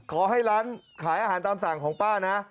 ขอให้ร้านขายอาหารตามสั่งของป้านะ